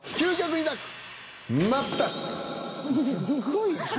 すっごい。